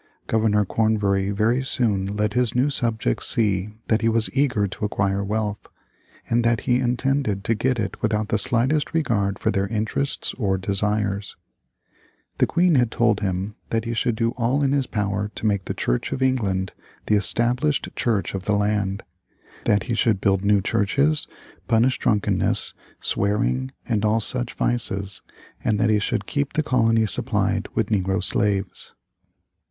Governor Cornbury very soon let his new subjects see that he was eager to acquire wealth, and that he intended to get it without the slightest regard for their interests or desires. The Queen had told him that he should do all in his power to make the Church of England the established church of the land; that he should build new churches, punish drunkenness, swearing, and all such vices, and that he should keep the colony supplied with negro slaves.